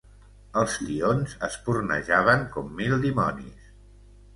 Els tions espurnejaven com mil dimonis.